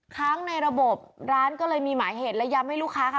ค้างในระบบร้านก็เลยมีหมายเหตุและย้ำให้ลูกค้าค่ะ